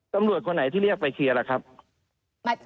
ตำรวจคนไหนที่เรียกไปเคลียร์ล่ะครับ